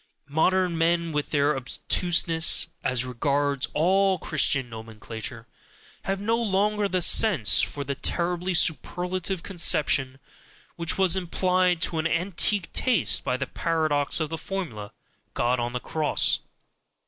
Modern men, with their obtuseness as regards all Christian nomenclature, have no longer the sense for the terribly superlative conception which was implied to an antique taste by the paradox of the formula, "God on the Cross".